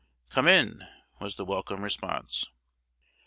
"Come in," was the welcome response.